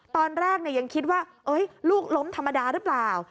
ตอนแรกยังคิดว่าลูกล้มธรรมดาหรือเปล่า